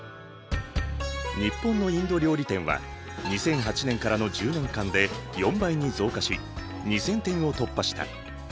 日本のインド料理店は２００８年からの１０年間で４倍に増加し２，０００店を突破した。